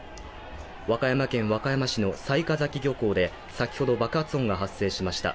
和歌山県和歌山市の雑賀崎漁港で、先ほど爆発音が発生しました。